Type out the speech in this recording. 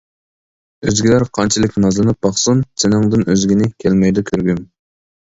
ئۆزگىلەر قانچىلىك نازلىنىپ باقسۇن، سېنىڭدىن ئۆزگىنى كەلمەيدۇ كۆرگۈم.